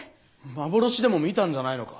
幻でも見たんじゃないのか？